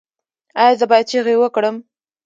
ایا زه باید چیغې وکړم؟